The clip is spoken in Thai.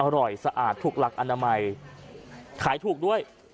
สะอาดถูกหลักอนามัยขายถูกด้วย